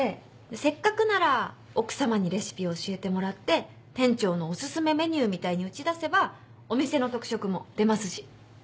せっかくなら奥さまにレシピを教えてもらって店長のお薦めメニューみたいに打ち出せばお店の特色も出ますし。